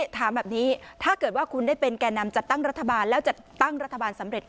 ถามแบบนี้ถ้าเกิดว่าคุณได้เป็นแก่นำจัดตั้งรัฐบาลแล้วจัดตั้งรัฐบาลสำเร็จ